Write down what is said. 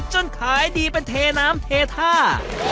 ขายดีเป็นเทน้ำเทท่า